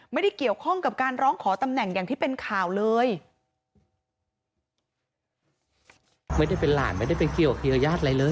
ไม่ได้เกี่ยวข้องกับการร้องขอตำแหน่งอย่างที่เป็นข่าวเลย